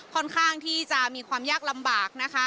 ค่อนข้างที่จะมีความยากลำบากนะคะ